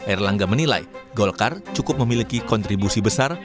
erlangga menilai golkar cukup memiliki kontribusi besar